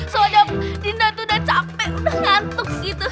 soalnya dinda tuh udah capek udah ngantuk gitu